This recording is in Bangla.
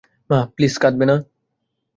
মা, প্লিজ, কাঁদবে না।